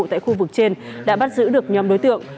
tại khu vực trên đã bắt giữ được nhóm đối tượng